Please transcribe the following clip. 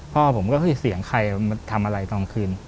พ่อผมก็คือเสียงใครทำอะไรตอนคืน